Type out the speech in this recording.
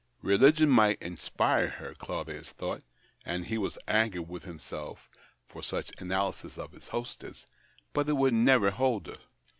Keligion might inspire her, Claudius thought — and he was angry with himself for such analysis of his hostess, — but it would never hold her.